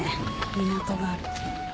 港がある。